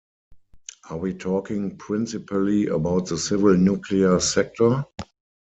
Are we talking principally about the civil nuclear sector?